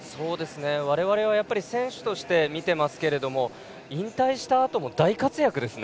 我々は選手として見ていますが引退したあとも大活躍ですね。